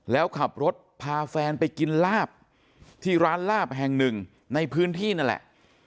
แล้วขับรถพาแฟนไปกินลาบที่ร้านลาบแห่งหนึ่งในพื้นที่นั่นแหละ